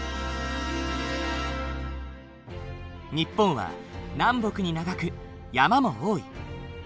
日本は南北に長く山も多い。